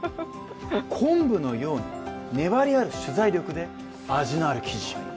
昆布のように粘りある取材力で味のある記事を。